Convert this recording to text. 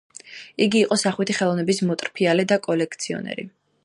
იგი იყო სახვითი ხელოვნების მოტრფიალე და კოლექციონერი.